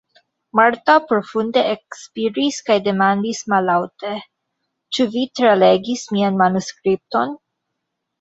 Marta profunde ekspiris kaj demandis mallaŭte: -- Ĉu vi tralegis mian manuskripton?